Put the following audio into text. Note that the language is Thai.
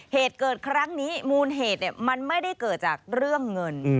เหตุเกิดครั้งนี้มูลเหตุมันไม่ได้เกิดจากเรื่องเงิน